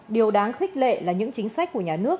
điều đáng khích lệ là những chính sách của nhà nước